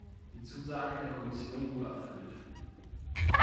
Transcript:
Die Zusage der Kommission wurde erfüllt.